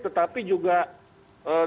tetapi juga dari seluruh negara